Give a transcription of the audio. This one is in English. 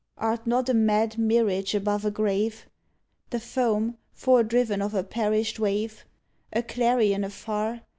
Art not a mad mirage above a grave"? The foam foredriven of a perished wave? A clarion afar?